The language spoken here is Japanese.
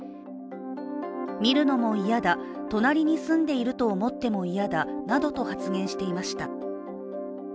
見るのも嫌だ、隣に住んでいると思っても嫌だなどと発言していました。